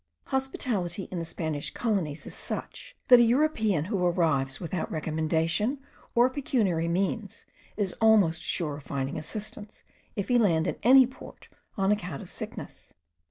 Hospitality, in the Spanish colonies, is such, that a European who arrives, without recommendation or pecuniary means, is almost sure of finding assistance, if he land in any port on account of sickness.